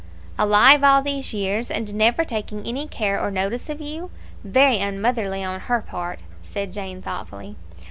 "Alive all these years, and never taking any care or notice of you! Very unmotherly on her part!" said Jane, thoughtfully.